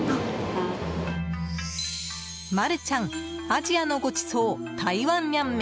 マルちゃんアジアのごちそう台湾涼麺。